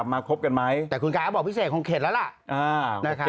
แต่ก่อนการบอกพี่เสกคงเข็ดแล้วนะครับ